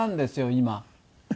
今。